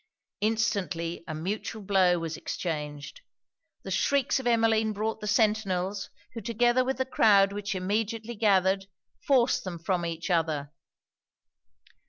Instantly a mutual blow was exchanged: the shrieks of Emmeline brought the sentinels; who, together with the croud which immediately gathered, forced them from each other.